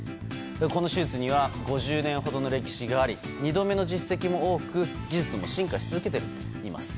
この手術には５０年ほどの歴史があり２度目の実績も多く技術も進化し続けているといいます。